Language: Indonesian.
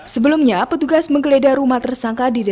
sebelumnya petugas menggeledah rumah tersangka